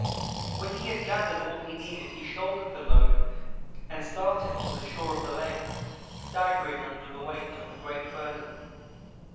When he had gathered all he needed he shouldered the load and started for the shore of the lake, staggering under the weight of the great burden.